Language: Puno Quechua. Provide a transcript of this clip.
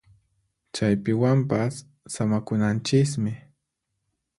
Chaypiwanpas samakunanchismi